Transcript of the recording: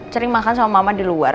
sering makan sama mama di luar